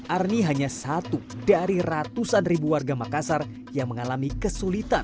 arni hanya satu dari ratusan ribu warga makassar yang mengalami kesulitan